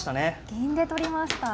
銀で取りました。